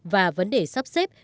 và vấn đề sắp xếp